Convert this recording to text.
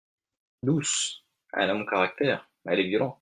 Douce ! elle a mon caractère, elle est violente.